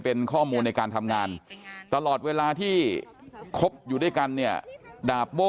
เป็นข้อมูลในการทำงานตลอดเวลาที่คบอยู่ด้วยกันเนี่ยดาบโบ้